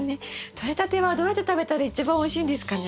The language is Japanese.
とれたてはどうやって食べたら一番おいしいんですかね？